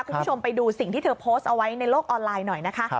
คุณผู้ชมไปดูสิ่งที่เธอโพสต์เอาไว้ในโลกออนไลน์หน่อยนะคะ